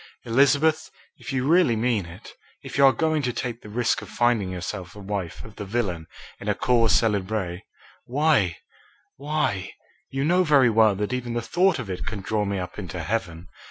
"Elizabeth, if you really mean it, if you are going to take the risk of finding yourself the wife of the villain in a cause célèbre, why why you know very well that even the thought of it can draw me up into heaven.